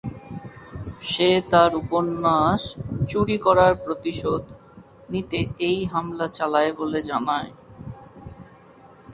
সে তার উপন্যাস "চুরি করার প্রতিশোধ" নিতে এই হামলা চালায় বলে জানায়।